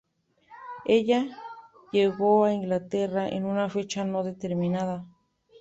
Ella llegó a Inglaterra en una fecha no determinada.